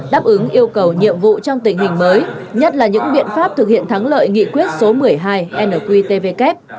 đáp ứng yêu cầu nhiệm vụ trong tình hình mới nhất là những biện pháp thực hiện thắng lợi nghị quyết số một mươi hai nqtvk